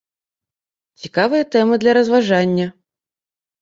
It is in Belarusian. Цікавыя тэмы для разважання.